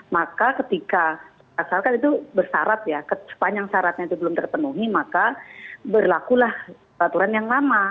maka ketika asalkan itu bersarat ya sepanjang syaratnya itu belum terpenuhi maka berlakulah aturan yang lama